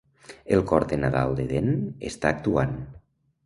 El cor de nadal d'Eden està actuant.